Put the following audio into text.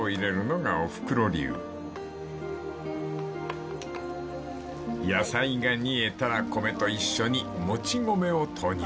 ［野菜が煮えたら米と一緒にもち米を投入］